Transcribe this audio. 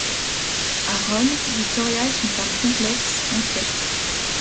A Rome, Vittoria est une femme complexe, inquiète.